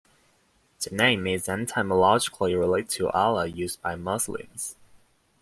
The name is etymologically related to Allah used by Muslims.